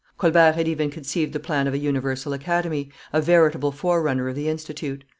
Colbert had even conceived the plan of a Universal Academy, a veritable forerunner of the Institute.